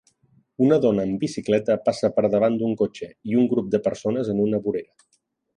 Una dona amb bicicleta passa per davant d'un cotxe i un grup de persones en una vorera.